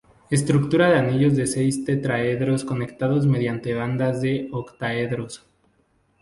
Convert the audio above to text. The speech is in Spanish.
Estructura en anillos de seis tetraedros conectados mediante bandas de octaedros.